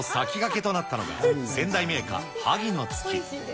その先駆けとなったのが、仙台銘菓萩の月。